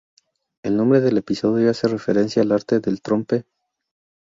El nombre del episodio hace referencia al arte del trompe-l'œil.